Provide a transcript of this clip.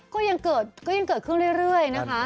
ก็ยังเกิดขึ้นเรื่อยนะคะ